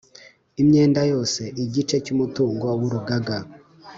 imyenda yose igice cy umutungo w urugaga